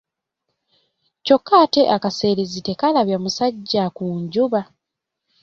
Kyokka ate akaseerezi tekalabya musajja ku njuba.